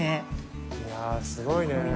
いやあすごいね。